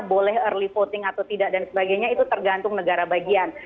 boleh early voting atau tidak dan sebagainya itu tergantung negara bagian